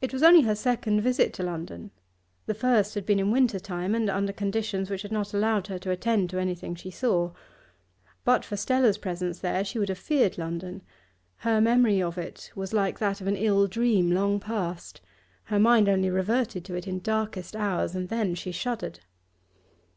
It was only her second visit to London: the first had been in winter time, and under conditions which had not allowed her to attend to anything she saw. But for Stella's presence there she would have feared London; her memory of it was like that of an ill dream long past; her mind only reverted to it in darkest hours, and then she shuddered.